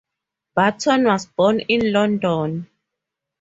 Barton was born in London.